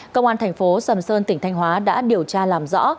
công an thành phố sầm sơn tỉnh thanh hóa đã điều tra làm rõ